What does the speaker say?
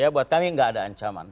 buat kami enggak ada ancaman